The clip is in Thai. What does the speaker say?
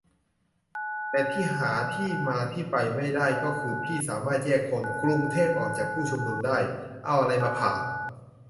แต่ที่หาที่มาที่ไปไม่ได้ ก็คือ พี่สามารถแยกคนกรุงเทพออกจากผู้ชุมนุมได้ ! ? เอาอะไรมาผ่า ?